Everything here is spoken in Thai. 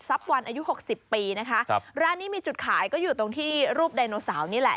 ทรัพย์วันอายุ๖๐ปีนะคะร้านนี้มีจุดขายก็อยู่ตรงที่รูปไดโนสาวนี่แหละ